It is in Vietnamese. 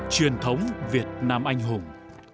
truyền thống việt nam anh hùng